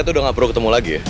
itu udah gak perlu ketemu lagi ya